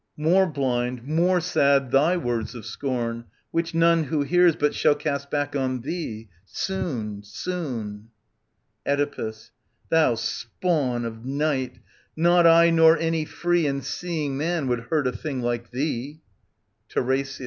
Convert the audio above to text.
More blind, more sad thy words of scorn, which none Who hears but shall cast back on thee : soon, soon. Oedipus. Thou spawn of Night, not I nor any free And seeing man would hurt a thing like thee. TiRESIAS.